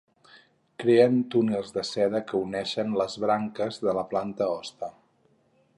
Creen túnels de seda que uneixen les branques de la planta hoste.